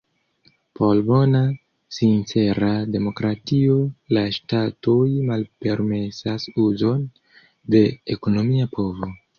Por bona, sincera demokratio la ŝtatoj malpermesas uzon de ekonomia povo.